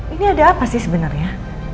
ini ada apa sih sebenarnya